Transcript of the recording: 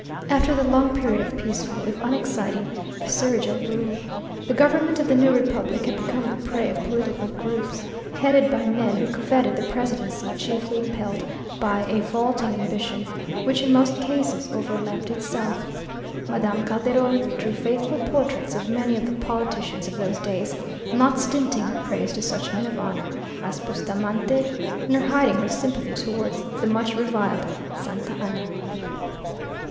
After the long period of peaceful if unexciting viceregal rule, the government of the new republic had become the prey of political groups, headed by men who coveted the presidency chiefly impelled by a "vaulting ambition" which, in most cases "overleapt itself." Madame Calderon drew faithful portraits of many of the politicians of those days, not stinting her praise to such men of honour as Bustamante, nor hiding her sympathy towards the much reviled Santa Anna.